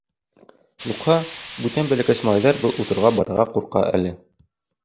Юҡһа, бүтән бәләкәс малайҙар был утрауға барырға ҡурҡа әле.